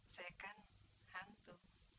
saya kan hantu